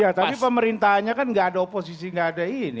ya tapi pemerintahnya kan nggak ada oposisi nggak ada ini